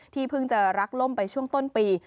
เพิ่งจะรักล่มไปช่วงต้นปี